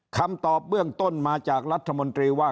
คำตอบเบื้องต้นมาจากรัฐมนตรีว่า